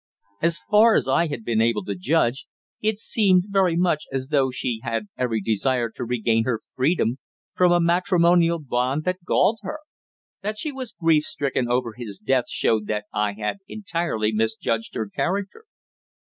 As far as I had been able to judge, it seemed very much as though she had every desire to regain her freedom from a matrimonial bond that galled her. That she was grief stricken over his death showed that I had entirely misjudged her character.